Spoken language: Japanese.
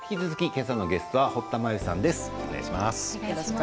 今朝のゲストは堀田真由さんです。